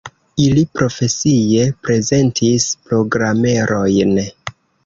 Ili profesie prezentis programerojn.